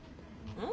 うん？